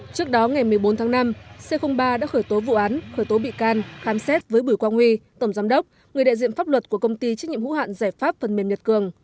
trước đó ngày một mươi bốn tháng năm c ba đã khởi tố vụ án khởi tố bị can khám xét với bửu quang huy tổng giám đốc người đại diện pháp luật của công ty trách nhiệm hữu hạn giải pháp phần mềm nhật cường